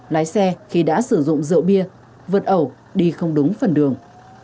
lái xe khi đã sử dụng rượu bia vượt ẩu đi không đúng phần đường